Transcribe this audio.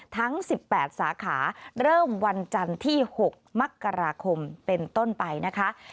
ทั้ง๑๘สาขาเริ่มวันจันทร์ที่๖มกราคมเป็นต้นไปนะคะ